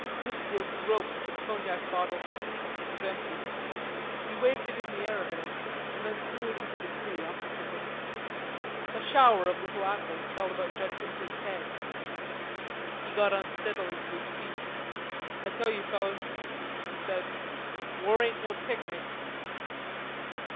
Chrisfield groped for the cognac bottle; it was empty; he waved it in the air a minute and then threw it into the tree opposite him. A shower of little apples fell about Judkins's head. He got unsteadily to his feet. "I tell you, fellers," he said, "war ain't no picnic."